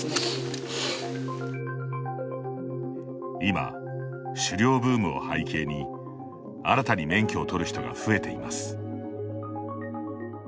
今、狩猟ブームを背景に新たに免許を取る人が増えています。